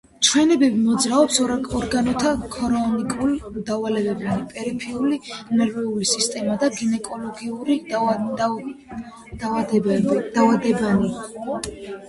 ჩვენებები: მოძრაობის ორგანოთა ქრონიკული დაავადებანი, პერიფერიული ნერვული სისტემისა და გინეკოლოგიური დაავადებანი.